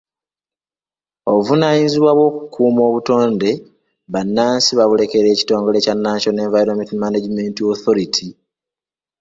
Obuvunaanyizibwa bw'okukuuma obutonde bannansi babulekera ekitongole kya National Environmental Management Authority.